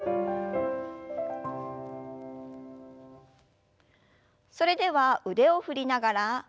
それでは腕を振りながら背中を丸く。